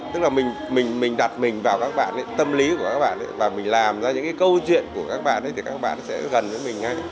tức là mình đặt mình vào các bạn tâm lý của các bạn và mình làm ra những cái câu chuyện của các bạn ấy thì các bạn sẽ gần với mình ngay